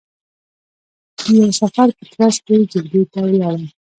د یوه سفر په ترځ کې جلگې ته ولاړم،